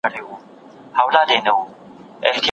لوبه په تلویزیون کې په ژوندۍ بڼه خپریږي.